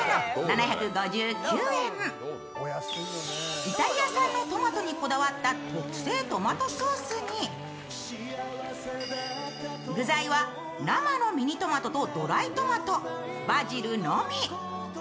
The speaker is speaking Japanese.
イタリア産のトマトにこだわった特製トマトソースに具材は、生のミニトマトとドライトマト、バジルのみ。